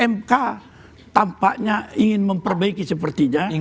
mk tampaknya ingin memperbaiki sepertinya